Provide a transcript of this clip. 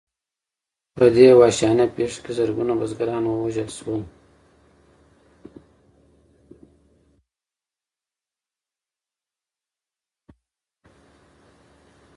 په دې وحشیانه پېښه کې زرګونه بزګران ووژل شول.